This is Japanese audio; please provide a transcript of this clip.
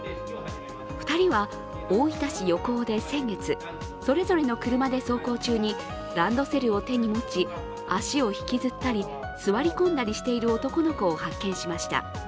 ２人は大分市横尾で先月それぞれの車で走行中にランドセルを手に持ち、足を引きずったり座り込んだりしている男の子を発見しました。